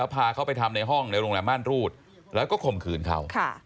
พาในห้องโรงแรมม่านรูดแล้วก็คมขืนเค้า